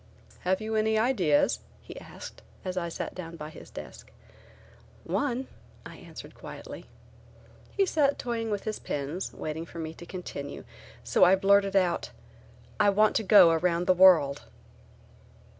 "Have you any ideas?" he asked, as I sat down by his desk. "One," I answered quietly. He sat toying with his pens, waiting for me to continue, so I blurted out: "I want to go around the world!"